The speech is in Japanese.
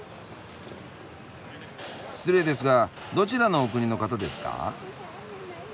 失礼ですがどちらのお国の方ですか？